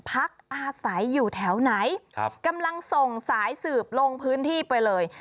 พักอาศัยอยู่แถวไหนกำลังส่งสายสืบลงพื้นที่ไปเลย